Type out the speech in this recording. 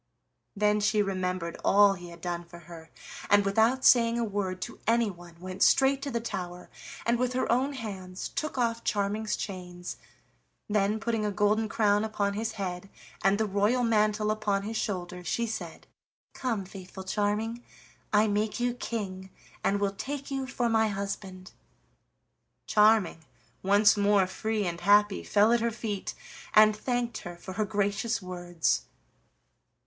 Then she remembered all he had done for her, and without saying a word to anyone went straight to the tower, and with her own hands took off Charming's chains. Then, putting a golden crown upon his head, and the royal mantle upon his shoulders, she said: "Come, faithful Charming, I make you king, and will take you for my husband." Charming, once more free and happy, fell at her feet and thanked her for her gracious words.